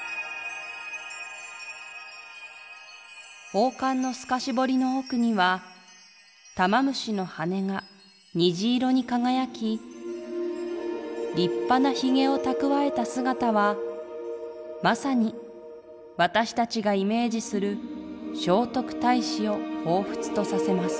「宝冠の透かし彫りの奥には玉虫の羽が虹色に輝き立派なひげを蓄えた姿はまさに私たちがイメージする聖徳太子をほうふつとさせます」。